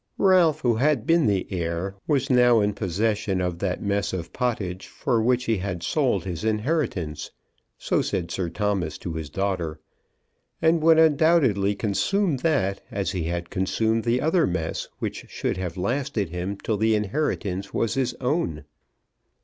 Ralph who had been the heir was now in possession of that mess of pottage for which he had sold his inheritance, so said Sir Thomas to his daughter, and would undoubtedly consume that, as he had consumed the other mess which should have lasted him till the inheritance was his own.